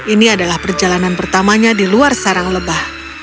ini adalah perjalanan pertamanya di luar sarang lebah